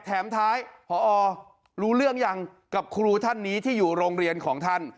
แถมท้ายพอรู้เรื่องยังกับครูท่านนี้ที่อยู่โรงเรียนของท่าน